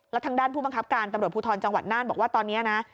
แล้วทางด้านผู้บังคับการตำรวจภูทรจังหวัดน่านบอกว่าตอนนี้นะ